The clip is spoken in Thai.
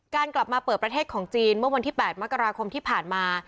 กลับมาเปิดประเทศของจีนเมื่อวันที่๘มกราคมที่ผ่านมา